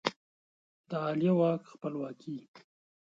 د عالیه واک خپلواکي